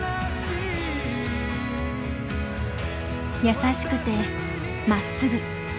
優しくて真っすぐ。